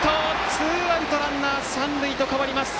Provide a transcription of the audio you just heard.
ツーアウトランナー、三塁と変わります。